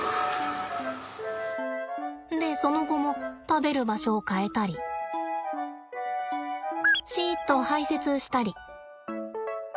でその後も食べる場所を変えたりシっと排せつしたり。